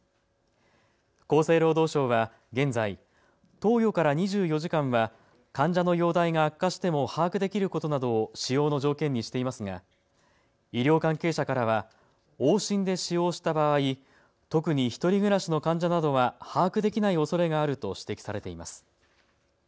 厚生労働省は現在、投与から２４時間は患者の容体が悪化しても把握できることなどを使用の条件にしていますが医療関係者からは往診で使用した場合、特に１人暮らしの患者などは把握できないおそれがあると指摘されています。